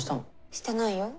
してないよ。